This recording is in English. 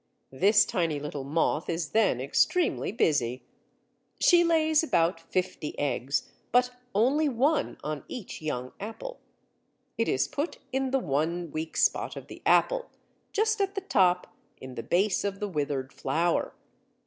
This tiny little moth is then extremely busy. She lays about fifty eggs, but only one on each young apple. It is put in the one weak spot of the apple, just at the top, in the base of the withered flower.